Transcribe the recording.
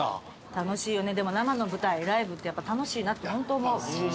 楽しいよねでも生の舞台ライブってやっぱ楽しいなってホント思う。